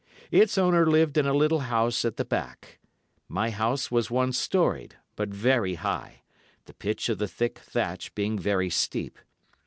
"Its owner lived in a little house at the back. My house was one storied, but very high, the pitch of the thick thatch being very steep.